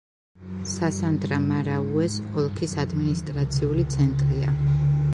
სასანდრა-მარაუეს ოლქის ადმინისტრაციული ცენტრია.